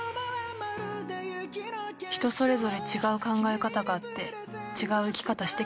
「人それぞれ違う考え方があって違う生き方してきたんだから」